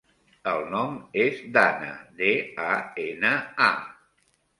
El nom és Dana: de, a, ena, a.